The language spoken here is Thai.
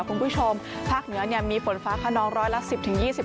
คุณผู้ชมภาคเนื้อเนี่ยมีฝนฟ้าขนร้อยละสิบถึงยี่สิบ